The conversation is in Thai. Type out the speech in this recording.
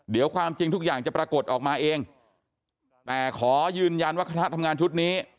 เดี๋ยวความจริงทุกอย่างจะปรากฏออกมาเองแต่ขอยืนยันว่าคณะทำงานชุดนี้